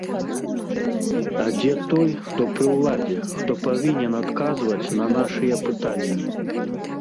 А дзе той, хто пры ўладзе, хто павінен адказваць на нашыя пытанні?